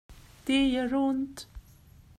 Det gör ont!